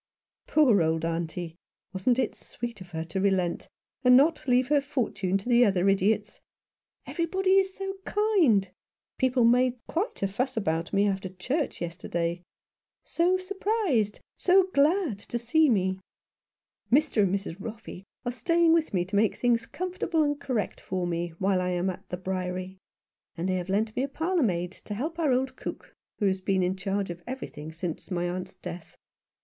"Poor old auntie! Wasn't it sweet of her to relent, and not leave her fortune to the other idiots? Everybody is so kind. People made quite a fuss about me after church yesterday —' So surprised '—' So glad ' to see me. Mr. and 7S Some One who loved Him. Mrs. Roffey are staying with me to make things comfortable and correct for me while I am at the Briery ; and they have lent me a parlour maid to help our old cook, who has been in charge of everything since my aunt's death.